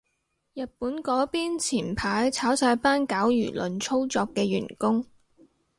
日本嗰邊前排炒晒班搞輿論操作嘅員工